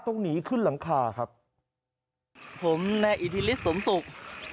ต้องหนีขึ้นหลังคาครับผมนายอิทธิฤทธิสมศุกร์